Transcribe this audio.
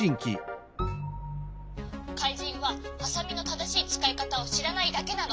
かいじんはハサミのただしいつかいかたをしらないだけなの」。